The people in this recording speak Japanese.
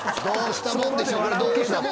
どうしたもんでしょう。